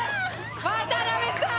渡邊さん！